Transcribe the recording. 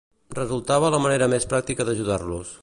Resultava la manera més pràctica d'ajudar-los.